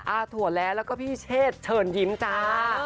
ถั่วแร้แล้วก็พี่เชษเชิญยิ้มจ้า